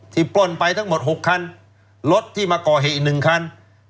ที่ปล่นไปทั้งหมด๖คันรถที่มาเกาะไห่หนึ่งคัน